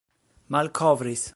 malkovris